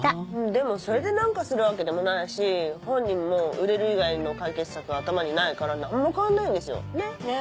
でもそれで何かするわけでもないし本人も売れる以外の解決策は頭にないから何も変わんないんですよね？ね？